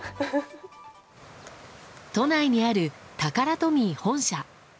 都内にあるタカラトミー本社。